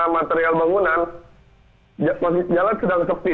material bangunan jalan sedang sepi